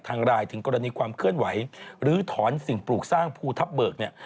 รายถึงกรณีความเคลื่อนไหวหรือถอนสิ่งปลูกสร้างภูทับเบิกเนี่ย